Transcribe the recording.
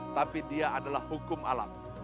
tapi dia adalah hukum alam